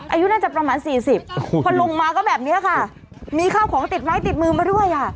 อายุน่าจะประมาณสี่สิบพอลุงมาก็แบบเนี้ยค่ะมีข้าวของติดไม้ติดมือมาด้วยอ่ะ